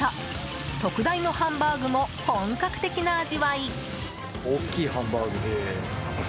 特大のハンバーグも本格的な味わい。